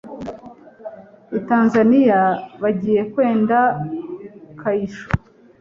i tanzaniya bagiye nkwenda, kayisho